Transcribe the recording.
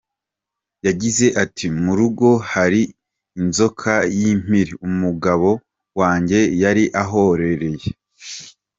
Yagize ati “Mu rugo hari inzoka y’impiri umugabo wanjye yari ahororeye.